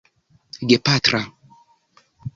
gepatra